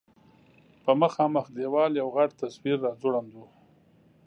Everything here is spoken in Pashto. په مخامخ دېوال یو غټ تصویر راځوړند و.